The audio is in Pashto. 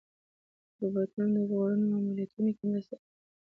روبوټونه د ژغورنې ماموریتونو کې مرسته کوي.